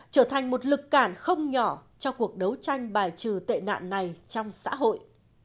trở thành một lực cản không nhỏ cho cuộc đấu tranh bài trừ tệ nạn này trong xã hội